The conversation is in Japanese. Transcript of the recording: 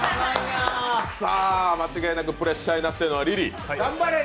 さあ、間違いなくプレッシャーになっているのはリリー。